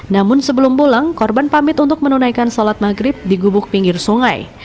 namun sebelum pulang korban pamit untuk menunaikan sholat maghrib di gubuk pinggir sungai